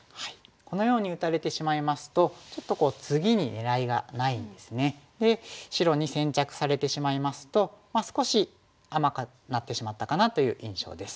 このように打たれてしまいますとちょっと次に狙いがないんですね。で白に先着されてしまいますとまあ少し甘くなってしまったかなという印象です。